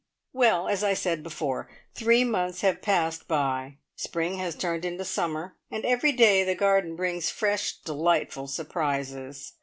Well, as I said before, three months have passed by. Spring has turned into summer, and every day the garden brings fresh, delightful surprises.